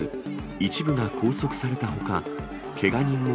一部が拘束されたほか、けが人も